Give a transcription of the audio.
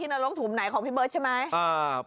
นรกถุงไหนของพี่เบิร์ตใช่ไหม